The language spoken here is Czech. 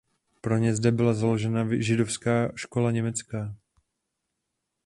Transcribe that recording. Pro ně zde byla založena židovská škola německá.